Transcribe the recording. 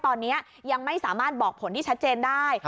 ตอนนี้ยังไม่สามารถบอกผลที่ชัดเจนได้